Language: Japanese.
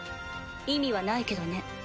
意味はないけどね。